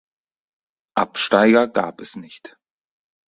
Absteiger gab es nicht.